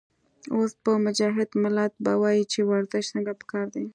اوس به مجاهد ملت وائي چې ورزش څنګه پکار دے